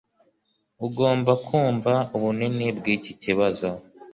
Ugomba kumva ubunini bwikibazo.